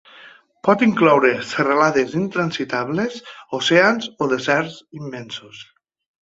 Pot incloure serralades intransitables, oceans o deserts immensos.